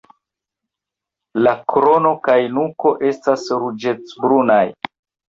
La krono kaj nuko estas ruĝecbrunaj.